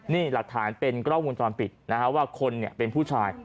นี่หลักฐานเป็นกล้องวงจรปิดนะฮะว่าคนเป็นผู้ชาย